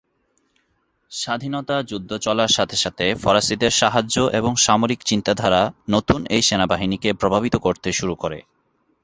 স্বাধীনতা যুদ্ধ চলার সাথে সাথে ফরাসিদের সাহায্য, এবং সামরিক চিন্তাধারা নতুন এই সেনাবাহিনীকে প্রভাবিত করতে শুরু করে।